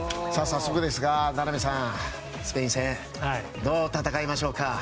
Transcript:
早速ですが名波さん、スペイン戦どう戦いましょうか。